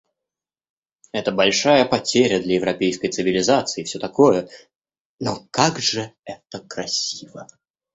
Это большая потеря для европейской цивилизации и всё такое, но как же это красиво